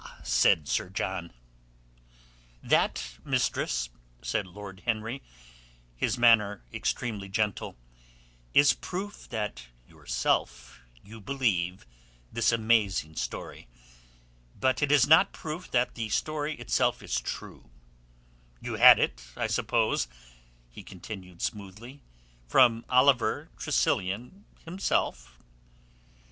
said Sir John. "That, mistress," said Lord Henry, his manner extremely gentle, "is proof that yourself you believe this amazing story. But it is not proof that the story itself is true. You had it, I suppose," he continued smoothly, "from Oliver Tressilian himself?"